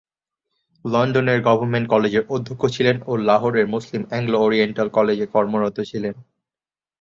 লন্ডনের গভর্নমেন্ট কলেজের অধ্যক্ষ ছিলেন ও লাহোরের মুসলিম অ্যাংলো-অরিয়েন্টাল কলেজে কর্মরত ছিলেন।